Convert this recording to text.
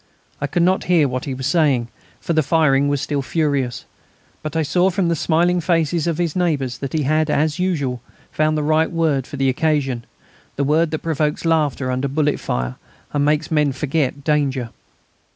I could not hear what he was saying, for the firing was still furious, but I saw from the smiling faces of his neighbours that he had, as usual, found the right word for the occasion, the word that provokes laughter under bullet fire and makes men forget danger.